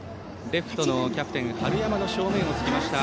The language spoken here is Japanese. レフトのキャプテン春山の正面をつきました。